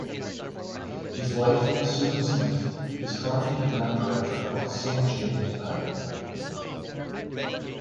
His wife, Susan Smith is currently the band director of the Saint James band.